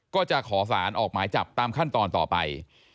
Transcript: ก็จะขอสารออกหมายจับตามขั้นตอนต่อไป